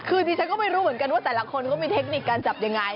คือดิฉันก็ไม่รู้เหมือนกันว่าแต่ละคนก็มีเทคนิคการจับยังไง